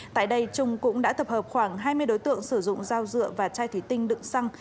tại đây trung cũng đã tập hợp khoảng hai mươi đối tượng sử dụng dao dựa và chai thủy tinh đựng xăng